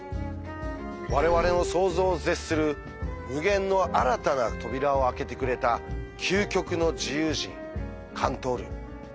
我々の想像を絶する無限の新たな扉を開けてくれた究極の自由人カントール。